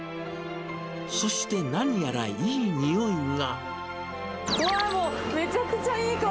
そして何やらいい匂いが。